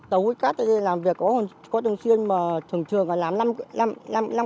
tàu hút cát làm việc có thường xuyên mà thường xuyên là làm năm năm